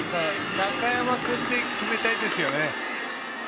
中山君で決めたいですね。